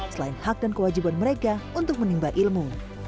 selain hak dan kewajiban mereka untuk menimba ilmu